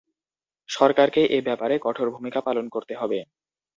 সরকারকে এ ব্যাপারে কঠোর ভূমিকা পালন করতে হবে।